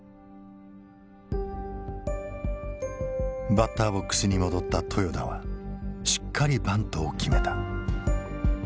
バッターボックスに戻った豊田はしっかりバントを決めた。